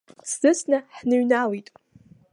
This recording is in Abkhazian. Дсыцны ҳныҩналеит.